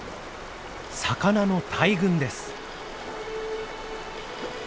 魚の大群です。